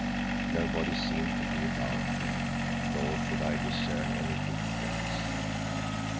Nobody seemed to be about there, nor could I discern any footprints.